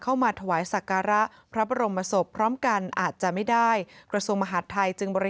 เข้ามาถวายสักการะพระบรมศพพร้อมกันอาจจะไม่ได้กระทรวงมหาดไทยจึงบริ